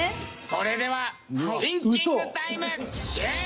それではシンキングタイム終了。